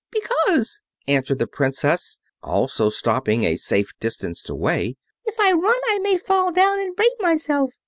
"Because," answered the Princess, also stopping, a safe distance away, "if I run I may fall down and break myself."